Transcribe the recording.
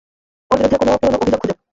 ওর বিরুদ্ধে কোনও পুরানো অভিযোগ খুঁজো।